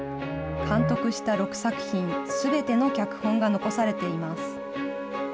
監督した６作品すべての脚本が残されています。